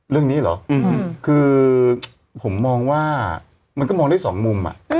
เรื่องนี้เหรอคือผมมองว่ามันก็มองได้สองมุม